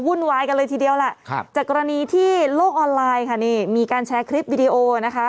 วุ่นวายกันเลยทีเดียวแหละครับจากกรณีที่โลกออนไลน์ค่ะนี่มีการแชร์คลิปวิดีโอนะคะ